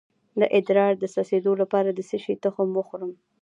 د ادرار د څڅیدو لپاره د څه شي تخم وخورم؟